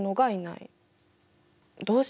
どうして？